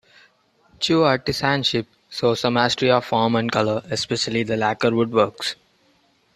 Chu artisanship shows a mastery of form and color, especially the lacquer woodworks.